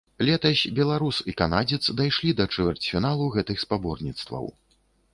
Летась беларус і канадзец дашлі да чвэрцьфіналу гэтых спаборніцтваў.